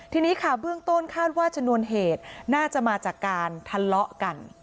ทีนี้ค่ะเบื้องต้นคาดว่าชนวนเหตุน่าจะมาจากการทะเลาะกัน